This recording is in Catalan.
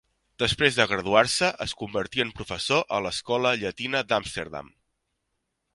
Després de graduar-se es convertí en professor a l'Escola llatina d'Amsterdam.